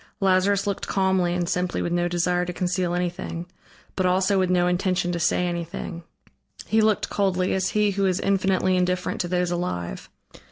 Lazarus looked calmly and simply with no desire to conceal anything, but also with no intention to say anything; he looked coldly, as he who is infinitely indifferent to those alive.